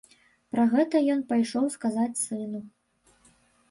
Пра гэта ён пайшоў сказаць сыну.